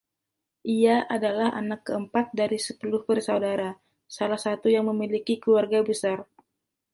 Ia adalah anak keempat dari sepuluh bersaudara, salah satu yang memiliki keluarga besar.